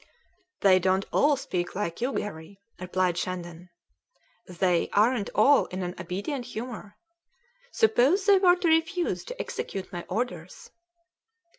"They don't all speak like you, Garry," replied Shandon. "They aren't all in an obedient humour! Suppose they were to refuse to execute my orders?"